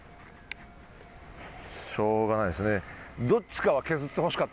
しょうがないですね。